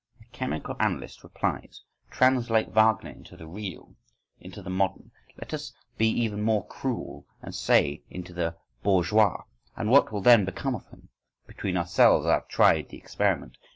The chemical analyst replies: Translate Wagner into the real, into the modern,—let us be even more cruel, and say into the bourgeois! And what will then become of him?—Between ourselves, I have tried the experiment.